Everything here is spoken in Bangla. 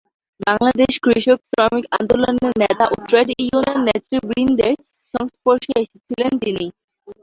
বাংলাদেশ কৃষক শ্রমিক আন্দোলনের নেতা ও ট্রেড ইউনিয়ন নেতৃবৃন্দের সংস্পর্শে এসেছিলেন তিনি।